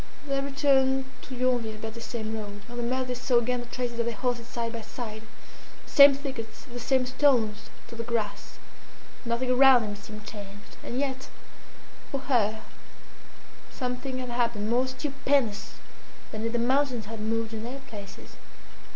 They returned to Yonville by the same road. On the mud they saw again the traces of their horses side by side, the same thickets, the same stones to the grass; nothing around them seemed changed; and yet for her something had happened more stupendous than if the mountains had moved in their places.